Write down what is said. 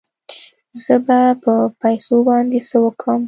زه به په پيسو باندې څه وکم.